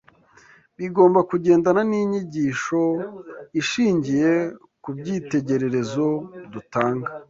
bigomba kugendana n’inyigisho ishingiye ku byitegererezo dutanga